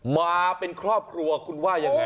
มาเป็นครอบครัวคุณว่ายังไง